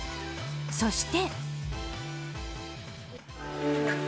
そして。